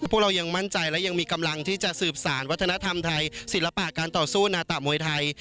พวกเรายังมั่นใจและยังมีกำลังที่จะสืบสารวัฒนธรรมไทยศิลปะการต่อสู้นาตะมวยไทย